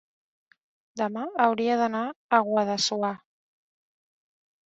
Demà hauria d'anar a Guadassuar.